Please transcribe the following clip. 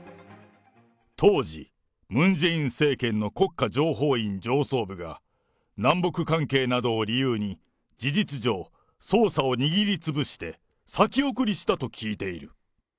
当時、ムン・ジェイン政権の国家情報院上層部が、南北関係などを理由に、事実上、捜査を握り潰して先送りしたと聞いている。